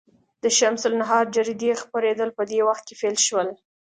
د شمس النهار جریدې خپرېدل په دې وخت کې پیل شول.